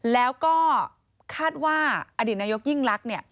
แล้วก็คาดว่าอดีตนายกยิ่งลักษณ์